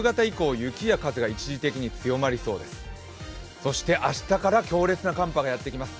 そして明日から強烈な寒波がやってきます。